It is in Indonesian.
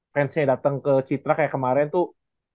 fansnya datang ke citra kayak kemarin tuh